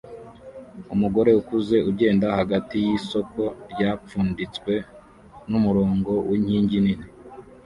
Umugore ukuze agenda hagati yisoko ryapfunditswe numurongo winkingi nini